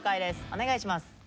お願いします。